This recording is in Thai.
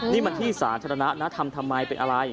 นี่มันที่สาธารณะนะทำทำไมเป็นอะไร